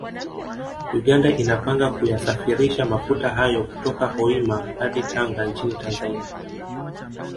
Uganda inapanga kuyasafirisha mafuta hayo kutoka Hoima hadi Tanga nchini Tanzania